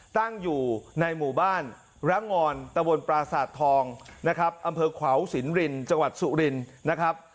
ตั้งอยู่ในหมู่บ้านระงอนตะวนปราสาททองนะครับอำเภอขวาวสินรินจังหวัดสุรินนะครับ